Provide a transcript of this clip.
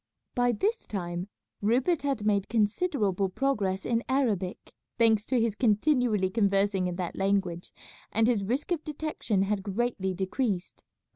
By this time Rupert had made considerable progress in Arabic, thanks to his continually conversing in that language, and his risk of detection had greatly decreased.